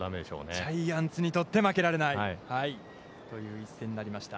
ジャイアンツにとって負けられないという一戦になりました。